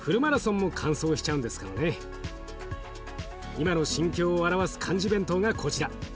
今の心境を表す漢字弁当がこちら。